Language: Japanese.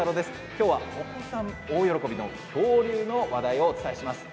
今日は、お子さん大喜びの恐竜の話題をお伝えします。